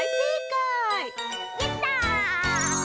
やった！